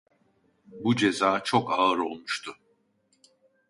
Bu ceza çok ağır olmuştu.